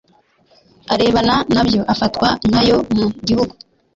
Arebana nabyo afatwa nkayo mu gihugu